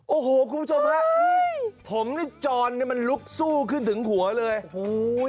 โอ้โฮคุณผู้ชมฮะผมจอนมันลุกสู้ขึ้นถึงหัวเลยโอ้โฮ